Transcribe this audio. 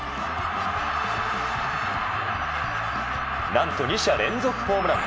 何と２者連続ホームラン！